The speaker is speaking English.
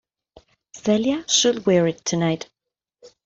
Celia should wear it tonight.